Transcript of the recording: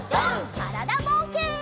からだぼうけん。